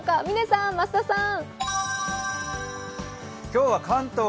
嶺さん、増田さん。